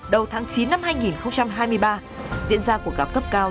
đầu tháng chín năm hai nghìn hai mươi ba diễn ra cuộc gặp cấp cao